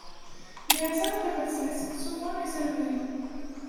Des hasards de bassesse souvent les élevaient.